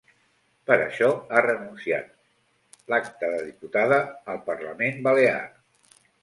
Per això, ha renunciat l’acte de diputada al parlament balear.